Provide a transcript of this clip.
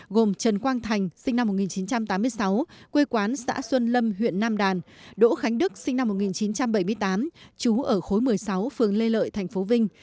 gồm trần quang thành sinh năm một nghìn chín trăm tám mươi sáu quê quán xã xuân lâm huyện nam đàn đỗ khánh đức sinh năm một nghìn chín trăm bảy mươi tám chú ở khối một mươi sáu phường lê lợi tp vinh